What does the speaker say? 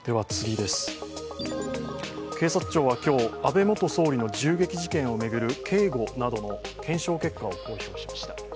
警察庁は今日、安倍元総理の銃撃事件を巡る警護などの検証結果を公表しました。